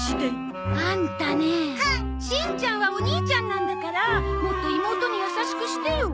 しんちゃんはお兄ちゃんなんだからもっと妹に優しくしてよ。